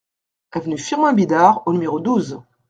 Avenue Firmin Bidard au numéro douze